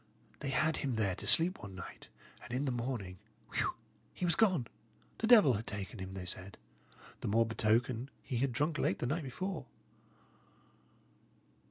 "They had him there to sleep one night, and in the morning whew! he was gone. The devil had taken him, they said; the more betoken, he had drunk late the night before."